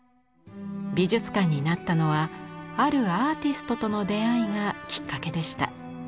美術館になったのはあるアーティストとの出会いがきっかけでした。